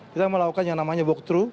kita melakukan yang namanya boxtroo